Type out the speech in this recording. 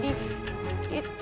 di tongsangnya nih ya